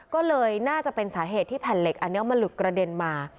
ก็เลยน่าจะเป็นสาเหตุที่แผ่นเหล็กอันนี้มันหลุดกระเด็นมา